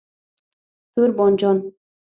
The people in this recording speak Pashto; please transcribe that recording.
🍆 تور بانجان